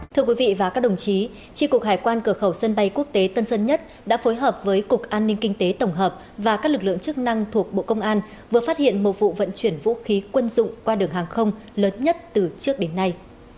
thưa quý vị và các đồng chí tri cục hải quan cửa khẩu sân bay quốc tế tân sơn nhất đã phối hợp với cục an ninh kinh tế tổng hợp và các lực lượng chức năng thuộc bộ công an vừa phát hiện một vụ vận chuyển vũ khí quân dụng qua đường hàng không lớn nhất từ trước đến nay